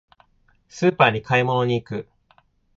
スーパーに買い物に行く。